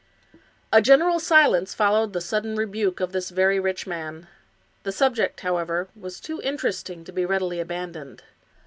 A general silence followed the sudden rebuke of this very rich man. The subject, however, was too interesting to be readily abandoned.